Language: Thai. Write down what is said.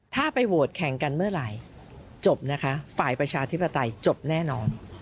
ถ้าไปโหวตแข่งกันเมื่อไหร่จบนะคะฝ่ายประชาธิปไตยจบแน่นอน